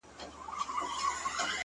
ښکلا د دې؛ زما؛